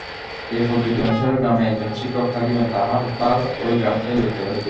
এই পদ্ধতি অনুসারে গ্রামে একজন শিক্ষক থাকিবেন, তাঁহার ভার ঐ গ্রামকে লইতে হইবে।